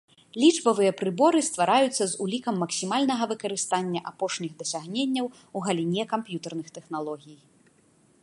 Лічбавыя прыборы ствараюцца з улікам максімальнага выкарыстання апошніх дасягненняў у галіне камп'ютэрных тэхналогій.